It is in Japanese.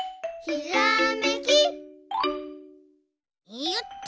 いよっと。